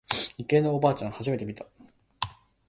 理系のおばあちゃん初めて見た。